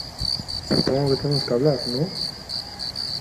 supongo que tenemos que hablar, ¿ no?